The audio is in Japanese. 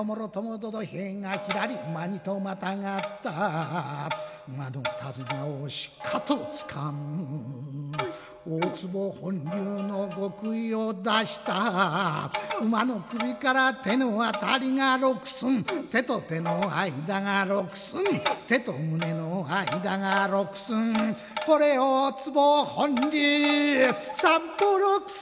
どど平がひらり馬にとまたがった馬のたづなをしっかとつかむ大坪本流の極意を出した馬の首から手の辺りが六寸手の手の間が六寸手と胸の間が六寸これ大坪本流三方六寸